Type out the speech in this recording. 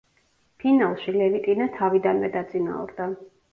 ფინალში ლევიტინა თავიდანვე დაწინაურდა.